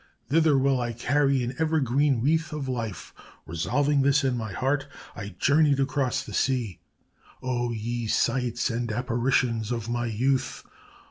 Thither will I carry an evergreen wreath of Life. Resolving this in my heart, I journeyed across the sea. O ye sights and apparitions of my youth!